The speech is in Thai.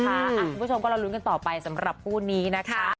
คุณผู้ชมก็เรารุ้นกันต่อไปสำหรับคู่นี้นะคะ